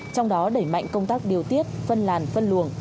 trong đó đẩy mạnh công tác điều tiết phân làn phân luồng